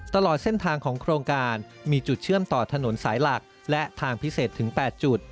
ตลอดเส้นทางของโครงการมีจุดเชื่อมต่อถนนสายหลักและทางพิเศษถึง๘จุด